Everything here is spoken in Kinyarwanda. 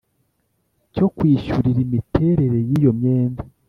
cyo kwishyurira imiterere y iyo myenda